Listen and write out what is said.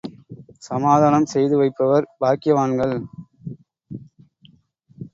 சமாதானம் செய்து வைப்பவர் பாக்கியவான்கள்.